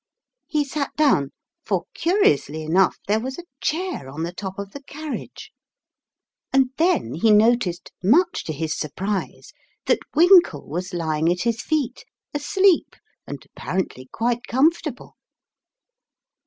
He sat down, for curiously enough there was a chair on the top of the carriage ; and then he noticed, much to his surprise, that Winkle was lying at his feet, asleep and apparently quite comfortable.